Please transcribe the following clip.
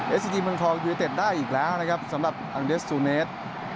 เอสซีจีมันคอร์ยูเอเต็ดได้อีกแล้วนะครับสำหรับอังเดษย์ซูเนธ